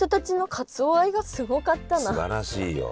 すばらしいよ。